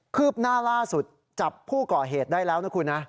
ืบหน้าล่าสุดจับผู้ก่อเหตุได้แล้วนะคุณนะ